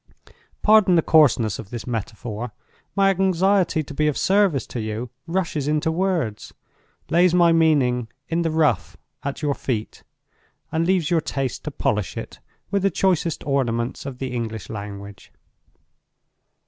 Pardon the coarseness of this metaphor. My anxiety to be of service to you rushes into words; lays my meaning, in the rough, at your feet; and leaves your taste to polish it with the choicest ornaments of the English language.